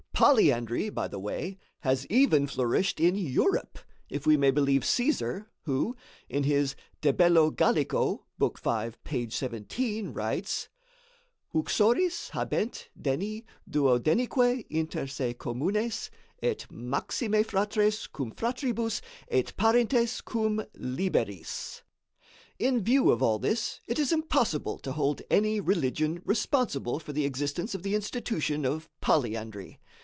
Polyandry, by the way, has even flourished in Europe, if we may believe Cæsar, who, in his De Bello Gallico, book V., page 17, writes: "Uxores habent deni duodenique inter se communes, et maxime fratres cum fratribus et parentes cum liberis." In view of all this it is impossible to hold any religion responsible for the existence of the institution of polyandry.